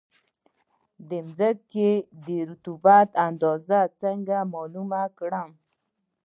د ځمکې د رطوبت اندازه څنګه معلومه کړم؟